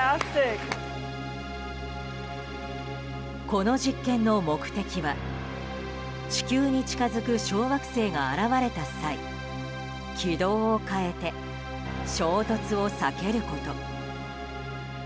この実験の目的は地球に近づく小惑星が現れた際軌道を変えて衝突を避けること。